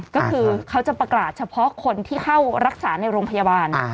ก็คือเขาจะประกาศเฉพาะคนที่เข้ารักษาในโรงพยาบาล